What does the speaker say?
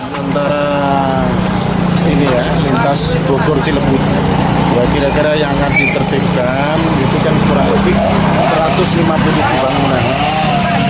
kira kira yang akan diterdekkan itu kan kurang lebih satu ratus lima puluh unit bangunan